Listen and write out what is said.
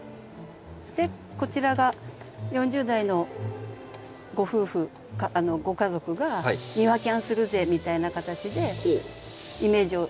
でこちらが４０代のご夫婦ご家族が庭キャンするぜみたいな形でイメージを。